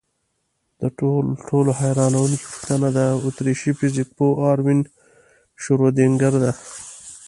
تر ټولو حیرانوونکې پوښتنه د اتریشي فزیکپوه اروین شرودینګر ده.